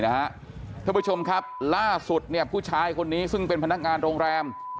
ท่านผู้ชมครับล่าสุดเนี่ยผู้ชายคนนี้ซึ่งเป็นพนักงานโรงแรม